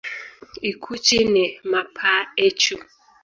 Ikuchi ni mapaa echu.